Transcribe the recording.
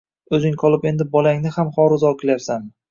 O‘zing qolib endi bolangni ham xoru-zor qilyapsanmi?